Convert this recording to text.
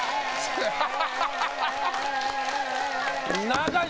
長い！